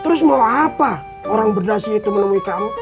terus mau apa orang berdasi itu menemui kamu